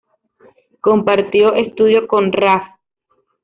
Compartió estudio con Raf.